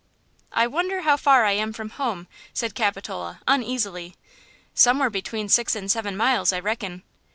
"I wonder how far I am from home?" said Capitola, uneasily; "somewhere between six and seven miles, I reckon.